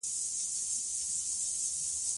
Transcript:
د جګړې ډګر د وینو او اور ډک و.